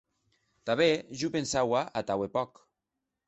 Tanben jo pensaua atau hè pòc.